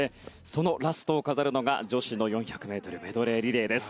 そのラストを飾るのが女子の４００ｍメドレーリレーです。